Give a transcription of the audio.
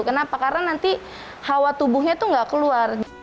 kenapa karena nanti hawa tubuhnya itu nggak keluar